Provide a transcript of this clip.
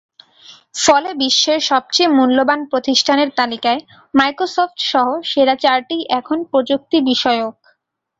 ফলে বিশ্বের সবচেয়ে মূল্যবান প্রতিষ্ঠানের তালিকায় মাইক্রোসফটসহ সেরা চারটিই এখন প্রযুক্তিবিষয়ক।